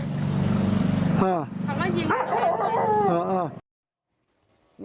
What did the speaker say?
เขาก็ยิง